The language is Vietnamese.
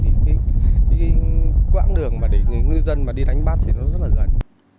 thì cái quãng đường mà để người ngư dân đi đánh bắt thì nó rất là gần